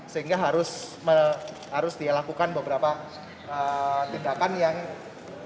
sehingga harus harus dilakukan beberapa tindakan yang seperti tadi